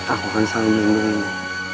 aku akan selalu melindungimu